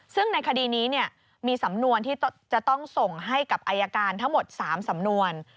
ซึ่งในคดีนี้มีสำนวนที่จะต้องส่งให้กับอายการทั้งหมด๓สำนวน